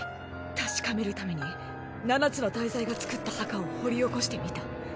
確かめるために七つの大罪が作った墓を掘り起こしてみた。